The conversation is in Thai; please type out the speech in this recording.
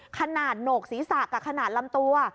ขนาดโหนกศีรษะขนาดลำตัว